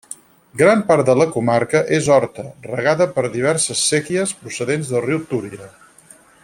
Gran part de la comarca és horta, regada per diverses séquies procedents del riu Túria.